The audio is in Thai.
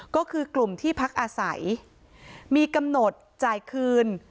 ก็คือกลุ่มที่พักอาศัยมีกำหนดจ่ายคืน